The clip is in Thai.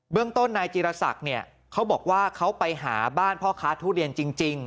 เรื่องต้นนายจีรศักดิ์เนี่ยเขาบอกว่าเขาไปหาบ้านพ่อค้าทุเรียนจริง